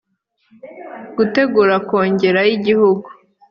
gutegura kongere y igihugu